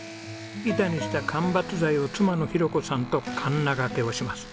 板にした間伐材を妻の浩子さんとかんながけをします。